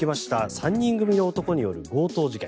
３人組の男による強盗事件。